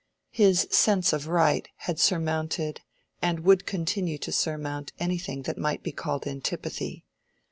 His sense of right had surmounted and would continue to surmount anything that might be called antipathy.